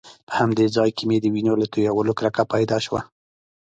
په همدې ځای کې مې د وینو له تويولو څخه کرکه پیدا شوه.